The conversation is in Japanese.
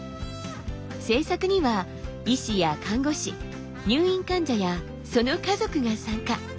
制作には医師や看護師入院患者やその家族が参加。